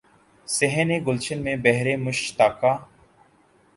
صحن گلشن میں بہر مشتاقاں